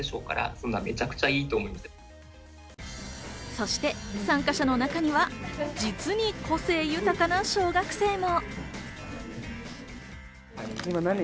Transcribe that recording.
そして参加者の中には、実に個性豊かな小学生も。